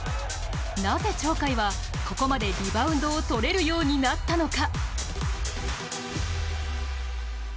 なぜ鳥海は、ここまでリバウンドを取れるようになったのか。